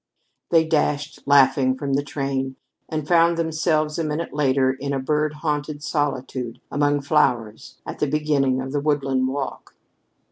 They dashed, laughing, from the train, and found themselves a minute later in a bird haunted solitude, among flowers, at the beginning of the woodland walk.